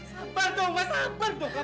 sabar dong kamu